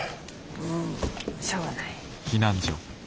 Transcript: うんしょうがない。